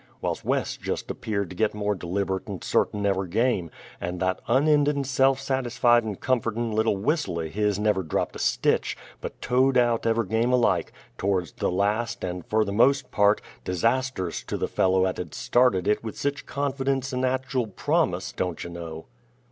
Whilse Wes jest peared to git more deliber't' and certain ever' game; and that unendin' se'f satisfied and comfortin' little whistle o' his never drapped a stitch, but toed out ever' game alike, to'rds the last, and, fer the most part, disasterss to the feller 'at had started in with sich confi_dence_ and actchul promise, don't you know.